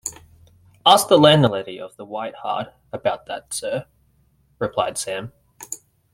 ‘Ask the landlady of the White Hart about that, Sir,’ replied Sam